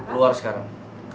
lu harus sekarang